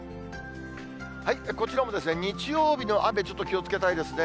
こちらも日曜日の雨、ちょっと気をつけたいですね。